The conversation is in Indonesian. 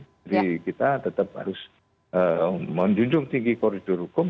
jadi kita tetap harus menjunjung tinggi koridor hukum